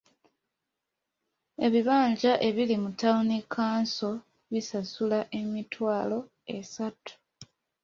Ebibanja ebiri mu Town Council bisasula emitwalo esatu.